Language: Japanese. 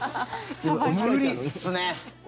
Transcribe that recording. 無理っすね。